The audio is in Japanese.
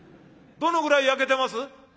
どのぐらい焼けてます？」。